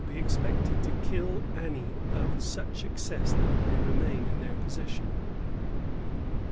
kill any of such excess that may remain in their possession."